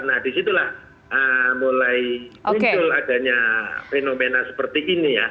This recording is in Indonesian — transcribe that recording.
nah disitulah mulai muncul adanya fenomena seperti ini ya